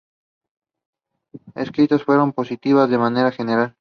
Las críticas fueron positivas de manera general.